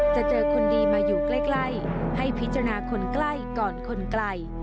จะเจอคนดีมาอยู่ใกล้ให้พิจารณาคนใกล้ก่อนคนไกล